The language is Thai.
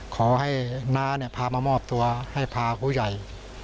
ขอให้น้าพามามอบตัวให้พาผู้ใหญ่